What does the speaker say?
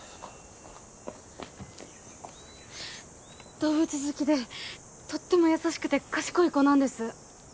動物好きでとっても優しくて賢い子なんです。